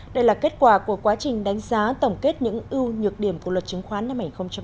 đây là kết quả của quá trình đánh giá tổng kết những ưu nhược điểm của luật chứng khoán năm hai nghìn sáu